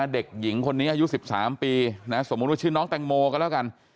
เด็กหญิงคนนี้อายุ๑๓ปีสมมุติว่าชื่อน้องแตงโมก็แล้วกัน